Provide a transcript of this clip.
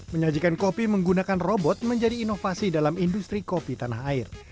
menyajikan kopi menggunakan robot menjadi inovasi dalam industri kopi tanah air